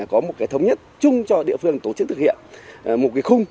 có một thống nhất chung cho địa phương tổ chức thực hiện một khung